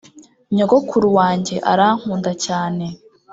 nyogokuru wanjye arankunda cyane